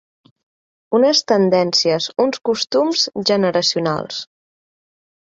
Unes tendències, uns costums, generacionals.